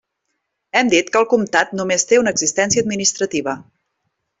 Hem dit que el comtat només té una existència administrativa.